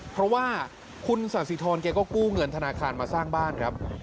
เพราะว่าคุณสาธิธรแกก็กู้เงินธนาคารมาสร้างบ้านครับ